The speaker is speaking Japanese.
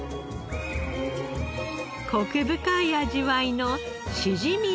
コク深い味わいのしじみチャウダー。